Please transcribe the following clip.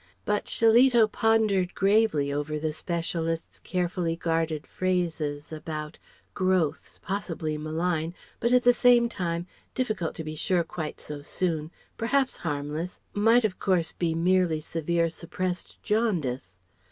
But Shillito pondered gravely over the specialist's carefully guarded phrases about "growths, possibly malign, but at the same time difficult to be sure quite so soon perhaps harmless, might of course be merely severe suppressed jaundice."